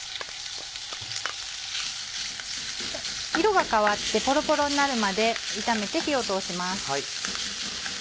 色が変わってポロポロになるまで炒めて火を通します。